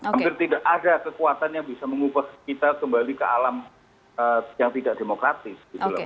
hampir tidak ada kekuatan yang bisa mengubah kita kembali ke alam yang tidak demokratis